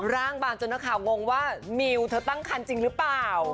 ร่างบางจนนักข่าวงงว่ามิวเธอตั้งคันจริงหรือเปล่า